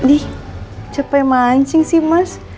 sedih capek mancing sih mas